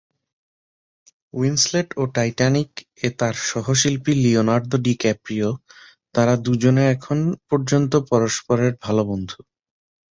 Winslet ও "টাইটানিক"-এ তার সহশিল্পী লিওনার্দো ডিক্যাপ্রিও, তারা দুজনে এখন পর্যন্ত পরস্পরের ভালো বন্ধু।